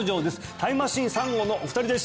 タイムマシーン３号のお二人です